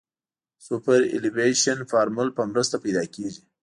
سوپرایلیویشن د فورمول په مرسته پیدا کیږي